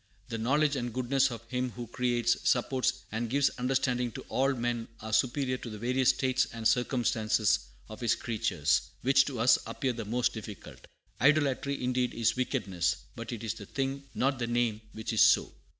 The knowledge and goodness of Him who creates, supports, and gives understanding to all men are superior to the various states and circumstances of His creatures, which to us appear the most difficult. Idolatry indeed is wickedness; but it is the thing, not the name, which is so.